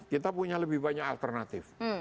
kita punya lebih banyak alternatif